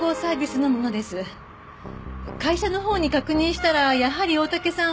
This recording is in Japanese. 会社のほうに確認したらやはり大竹さん